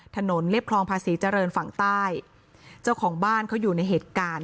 เรียบคลองภาษีเจริญฝั่งใต้เจ้าของบ้านเขาอยู่ในเหตุการณ์